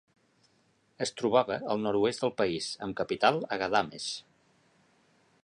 Es trobava al nord-oest del país, amb capital a Ghadames.